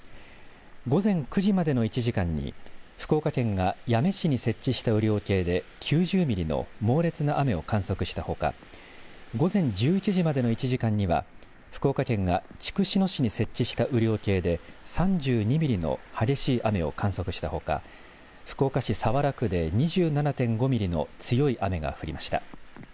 午前９時までの１時間に福岡県が八女市に設置した雨量計で９０ミリの猛烈な雨を観測したほか午前１１時までの１時間には福岡県が筑紫野市に設置した雨量計で３２ミリの激しい雨を観測したほか福岡市早良区で２７．５ミリの強い雨が降りました。